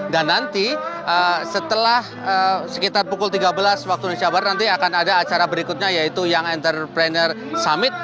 dan nanti setelah sekitar pukul tiga belas waktu nanti akan ada acara berikutnya yaitu young entrepreneurship summit